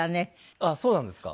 ああそうなんですか？